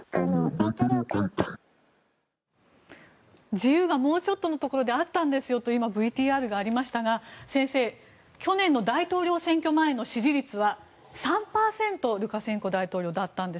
自由がもうちょっとのところであったんですよとＶＴＲがありましたが去年の大統領選挙前の支持率はルカシェンコ大統領３％だったんです。